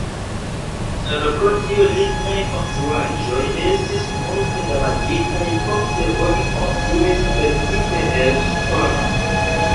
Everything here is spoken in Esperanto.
Ĉar pro tio lignaj konstruaĵoj estis multe damaĝitaj, poste oni konstruis precipe el ŝtono.